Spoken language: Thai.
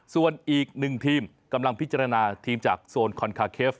ส่วนอีกหนึ่งทีมกำลังพิจารณาทีมจากโซนคอนคาเคฟ